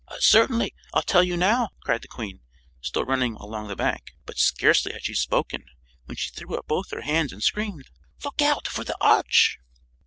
"Certainly. I'll tell you now," cried the Queen, still running along the bank. But scarcely had she spoken when she threw up both her hands and screamed: "Look out for the arch!"